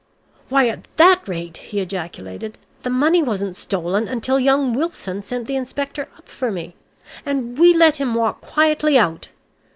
"Why, at that rate," he ejaculated, "the money wasn't stolen until young Wilson sent the inspector up for me. And we let him walk quietly out!